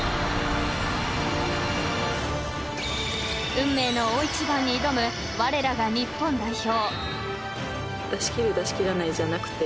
［運命の大一番に挑むわれらが日本代表］